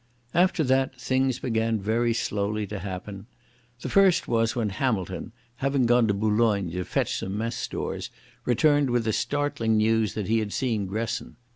After that things began very slowly to happen. The first was when Hamilton, having gone to Boulogne to fetch some mess stores, returned with the startling news that he had seen Gresson.